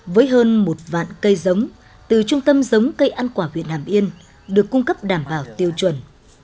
với hơn một vạn cây giống từ trung tâm giống cây ăn quả việt hàm yên được cung cấp đảm bảo tiêu chuẩn